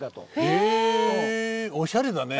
へえおしゃれだね。